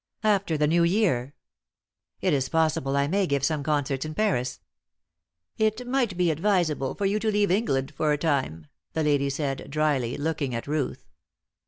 "After the new year. It is possible I may give some concerts in Paris." "It might be advisable for you to leave England for a time," the lady said, drily, looking at Ruth.